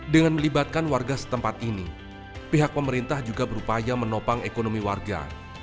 dengan melibatkan warga setempat ini pihak pemerintah juga berupaya menopang ekonomi warga